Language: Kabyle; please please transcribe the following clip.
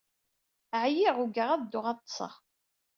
Ɛyiɣ, ugaɣ ad dduɣ ad ḍḍseɣ.